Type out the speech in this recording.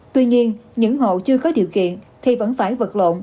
tuy nhiên những hộ chưa có điều kiện thì vẫn phải vật lộn